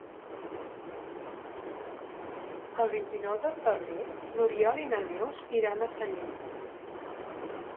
El vint-i-nou de febrer n'Oriol i na Neus iran a Sallent.